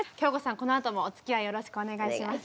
このあともおつきあいよろしくお願いします。